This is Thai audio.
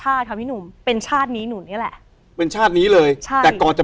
หัวข้างในนั้นคือเล่าดิบสีขาวครับ